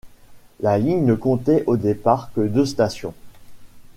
La ligne ne comptait au départ que deux stations.